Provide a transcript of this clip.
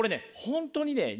本当にねあ